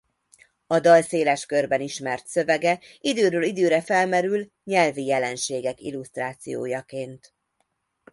A dal széles körben ismert szövege időről időre felmerül nyelvi jelenségek illusztrációjaként.